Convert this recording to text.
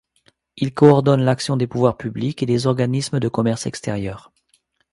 Il coordonne l’action des pouvoirs publics et des organismes de commerce extérieur.